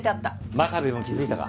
真壁も気づいたか。